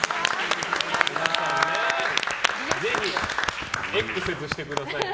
ぜひエックセズしてくださいね。